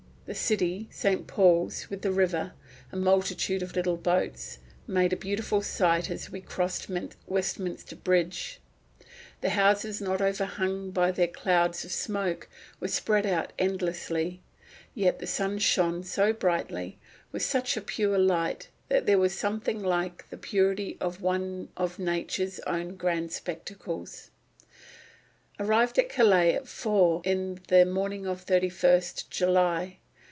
The City, St. Paul's, with the river, a multitude of little boats, made a beautiful sight as we crossed Westminster Bridge; the houses not overhung by their clouds of smoke, were spread out endlessly; yet the sun shone so brightly, with such a pure light, that there was something like the purity of one of Nature's own grand spectacles. Arrived at Calais at four in the morning of 31st July.